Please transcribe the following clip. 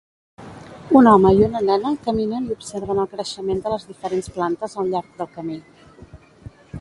Un home i una nena caminen i observen el creixement de les diferents plantes al llarg del camí.